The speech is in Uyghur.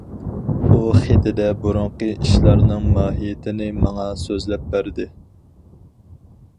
ئۇ خېتىدە بۇرۇنقى ئىشلارنىڭ ماھىيىتىنى ماڭا سۆزلەپ بەردى.